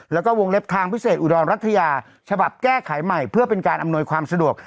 แล้วก็วงเล็บทางพิเศษอุดรรัฐยาฉบับแก้ไขใหม่เพื่อเป็นการอำนวยความสะดวก